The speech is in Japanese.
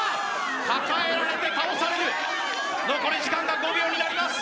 抱えられて倒される残り時間が５秒になります